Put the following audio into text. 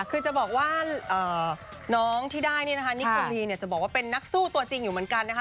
คือจะบอกว่าน้องที่ได้นี่นะคะนิโคลีเนี่ยจะบอกว่าเป็นนักสู้ตัวจริงอยู่เหมือนกันนะคะ